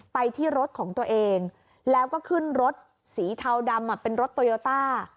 ไปที่รถของตัวเองแล้วก็ขึ้นรถสีเทาดำเป็นรถโตโยต้า